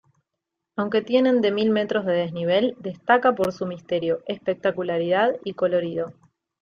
Aunque tienen de mil metros de desnivel, destaca por su misterio, espectacularidad y colorido.